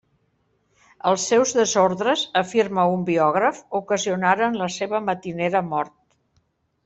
Els seus desordres, afirma un biògraf, ocasionaren la seva matinera mort.